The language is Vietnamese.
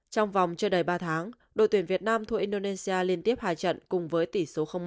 trong vòng chơi đầy ba tháng đội tuyển việt nam thua indonesia liên tiếp hai trận cùng với tỷ số một